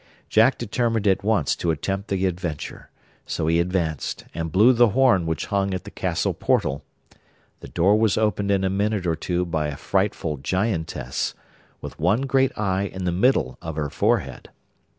Jack determined at once to attempt the adventure; so he advanced, and blew the horn which hung at the castle portal. The door was opened in a minute or two by a frightful giantess, with one great eye in the middle of her forehead.